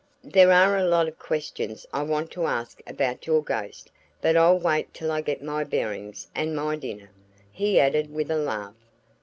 "There are a lot of questions I want to ask about your ghost, but I'll wait till I get my bearings and my dinner," he added with a laugh.